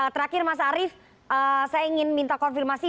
terakhir mas arief saya ingin minta konfirmasi